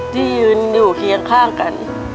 ที่ยืนอยู่เคียงข้างกัน